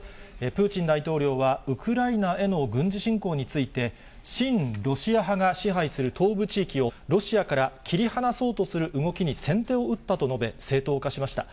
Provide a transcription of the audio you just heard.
プーチン大統領はウクライナへの軍事侵攻について、親ロシア派が支配する東部地域を、ロシアから切り離そうとする動きに先手を打ったと述べ、正当化しました。